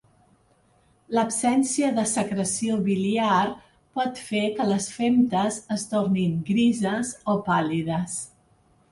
L'absència de secreció biliar pot fer que les femtes es tornin grises o pàl·lides.